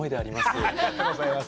ハハッありがとうございます。